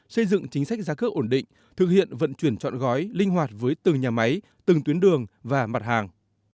xây dựng chính sách giá cước ổn định thực hiện vận chuyển chọn gói linh hoạt với từng nhà máy từng tuyến đường và mặt hàng